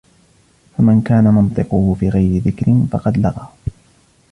فَمَنْ كَانَ مَنْطِقُهُ فِي غَيْرِ ذِكْرٍ فَقَدْ لَغَا